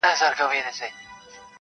نوي نسلونه پوښتني کوي ډېر,